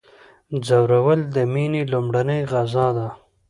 ځورول د میني لومړنۍ غذا ده.